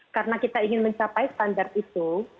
karena kita ingin mencapai standar itu